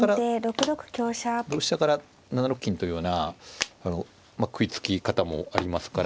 何か同飛車から７六金というような食いつき方もありますから。